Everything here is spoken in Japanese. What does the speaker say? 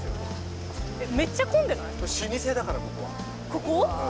ここ？